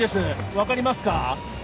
分かりますか？